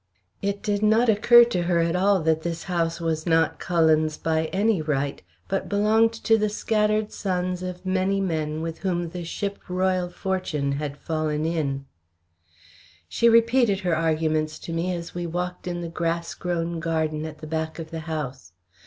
It did not occur to her at all that this house was not Cullen's by any right, but belonged to the scattered sons of many men with whom the ship Royal Fortune had fallen in. She repeated her arguments to me as we walked in the grass grown garden at the back of the house.